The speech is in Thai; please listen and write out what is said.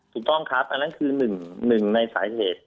ถูกต้องครับอันนั้นคือหนึ่งในสาเหตุ